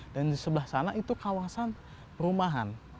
dan di sebelah sana itu kawasan perumahan